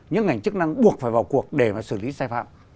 những ngành chức năng buộc phải vào cuộc để mà xử lý sai phạm